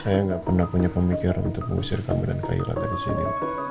saya gak pernah punya pemikiran untuk mengusir kamu dan kayla dari sini